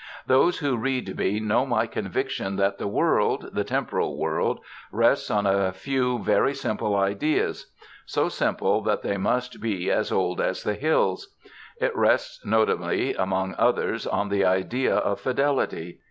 Those who read me know my conviction that the world, the temporal world, rests on a few very simple ideas; so simple that they must be as old as the hills. It rests notably, among others, on the idea of Fidelity.